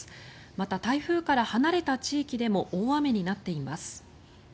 また、台風から離れた地域でも大雨になっています。